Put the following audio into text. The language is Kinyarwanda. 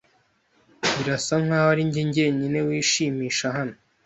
Birasa nkaho ari njye jyenyine wishimisha hano.